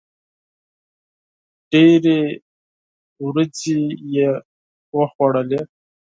ډېري وریجي یې وخوړلې.